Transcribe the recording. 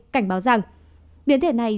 cảnh báo rằng biến thể này